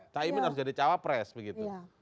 cah imin harus jadi cawapres begitu